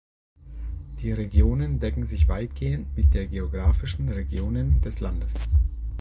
Die Regionen decken sich weitestgehend mit der geografischen Regionen des Landes.